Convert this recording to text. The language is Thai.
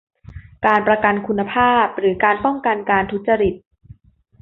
การประกันคุณภาพหรือการป้องกันการทุจริต